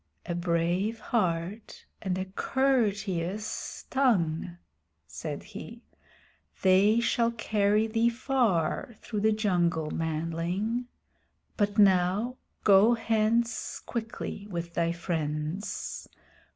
"A brave heart and a courteous tongue," said he. "They shall carry thee far through the jungle, manling. But now go hence quickly with thy friends.